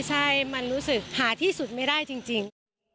ใช่มันรู้สึกหาที่สุดไม่ได้จริง